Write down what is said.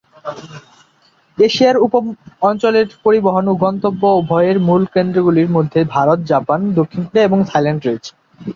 এশিয়ার উপ-অঞ্চলের পরিবহন ও গন্তব্য উভয়ের মূল কেন্দ্রগুলির মধ্যে ভারত, জাপান, দক্ষিণ কোরিয়া এবং থাইল্যান্ড রয়েছে।